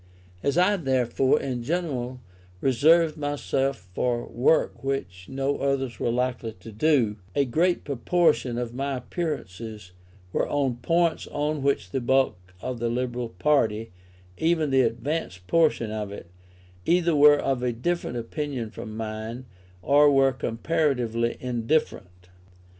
As I, therefore, in general reserved myself for work which no others were likely to do, a great proportion of my appearances were on points on which the bulk of the Liberal party, even the advanced portion of it, either were of a different opinion from mine, or were comparatively indifferent.